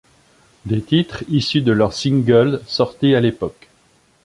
Des titres issus de leurs Singles sortis à l'époque.